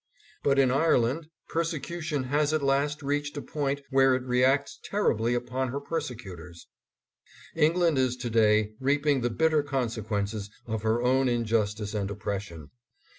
But in Ireland persecution has at last reached a point where it reacts terribly upon her persecutors. England is to day reaping the bitter consequences of her own injustice and oppression.